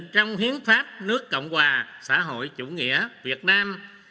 trong hiến pháp nước cộng hòa xã hội chủ nghĩa việt nam